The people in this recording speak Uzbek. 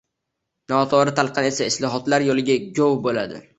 Noto‘g‘ri talqin esa islohotlar yo‘liga g‘ov bo‘ladi.